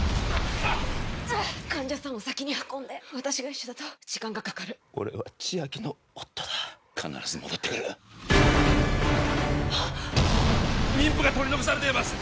患者さんを先に運んで私が一緒だと時間がかかる俺は千晶の夫だ必ず戻ってくる妊婦が取り残されています